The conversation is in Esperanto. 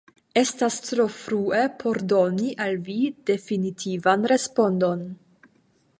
Estas tro frue por doni al vi definitivan respondon.